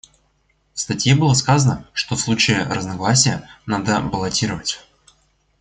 В статье было сказано, что в случае разногласия надо баллотировать.